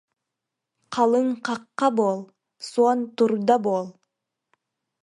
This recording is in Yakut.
Халыҥ хахха буол, суон турда буол